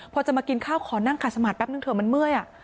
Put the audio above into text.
พอจะมากินข้าวขอนั่งขาดสมาธิแป๊บนึงเถอะมันเมื่อย